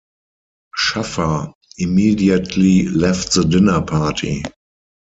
Schaffer immediately left the dinner party.